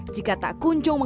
jika tak kunjungkan